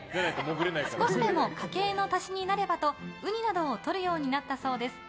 少しでも家計の足しになればとウニなどをとるようになったそうです。